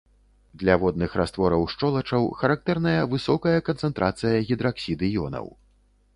Для водных раствораў шчолачаў характэрная высокая канцэнтрацыя гідраксід-іёнаў.